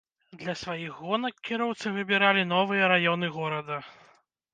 Для сваіх гонак кіроўцы выбіралі новыя раёны горада.